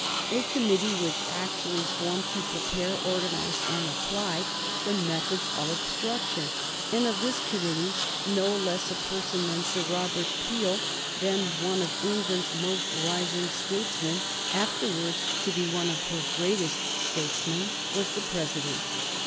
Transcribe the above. A committee was actually formed to prepare, organize, and apply the methods of obstruction, and of this committee no less a person than Sir Robert Peel, then one of England's most rising statesmen, afterwards to be one of her greatest statesmen, was the president.